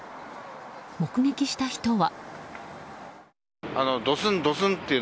目撃した人は。